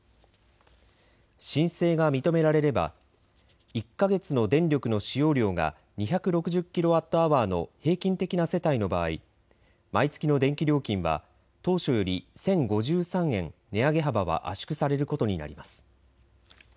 申請が認められれば１か月の電力の使用量が２６０キロワットアワーの平均的な世帯の場合、毎月の電気料金は当初より１０５３円値上げ幅は圧縮されることになります。